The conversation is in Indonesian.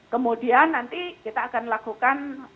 kemudian nanti kita akan lakukan